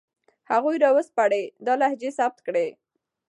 هغوی را وسپړئ، دا لهجې ثبت کړئ